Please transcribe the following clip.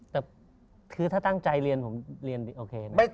แต่คือถ้าตั้งใจเรียนผมเรียนโอเคนะ